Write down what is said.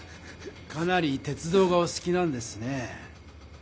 かなり鉄道がおすきなんですね？